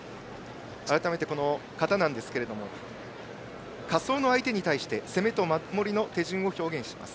改めて、形なんですけれども仮想の相手に対して攻めと守りの手順を表現します。